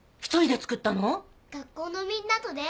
学校のみんなとね。